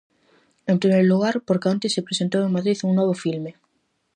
En primeiro lugar porque onte se presentou en Madrid un novo filme.